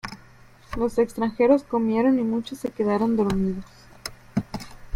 Los extranjeros comieron y muchos se quedaron dormidos.